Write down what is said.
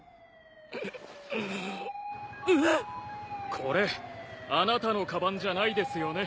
これあなたのかばんじゃないですよね？